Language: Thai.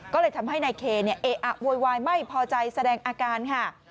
ก็เลยทำให้นายเคอะโวยวายไม่พอใจแสดงอาการค่ะ